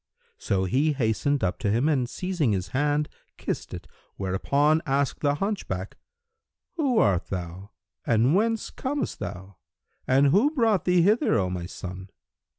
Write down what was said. So he hastened up to him and seizing his hand kissed it; whereupon asked the hunchback, "Who art thou and whence comest thou and who brought thee hither, O my son?"